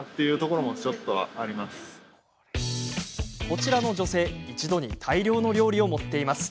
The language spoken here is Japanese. こちらの女性一度に大量の料理を盛っています。